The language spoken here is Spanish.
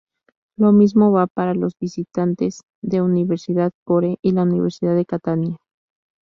Lo mismo va para los visitantes de 'Universidad Core, y la Universidad de Catania.